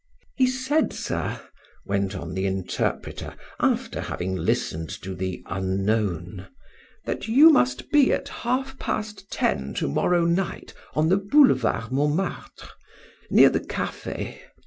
"He said, sir," went on the interpreter, after having listened to the unknown, "that you must be at half past ten to morrow night on the boulevard Montmartre, near the cafe.